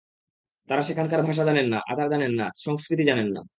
তাঁরা সেখানকার ভাষা জানেন না, আচার জানেন না, সংস্কৃতি জানেন না।